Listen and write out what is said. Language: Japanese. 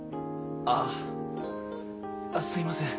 あすいません